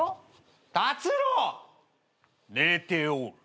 寝ておる。